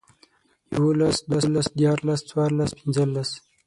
يوولس، دوولس، ديارلس، څوارلس، پينځلس